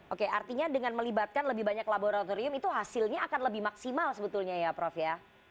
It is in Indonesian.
oke artinya dengan melibatkan lebih banyak laboratorium itu hasilnya akan lebih maksimal sebetulnya ya prof ya